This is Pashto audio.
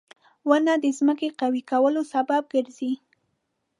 • ونه د ځمکې قوي کولو سبب ګرځي.